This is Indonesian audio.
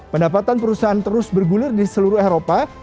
pendapatan perusahaan terus bergulir di seluruh eropa